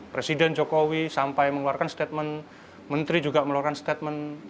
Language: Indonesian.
presiden jokowi sampai mengeluarkan statement menteri juga mengeluarkan statement